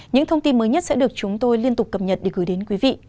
những thông tin mới nhất sẽ được chúng tôi liên tục cập nhật để gửi đến quý vị